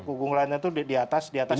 unggulannya itu di atas sepuluh persen